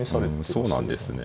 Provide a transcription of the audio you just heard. そうなんですね。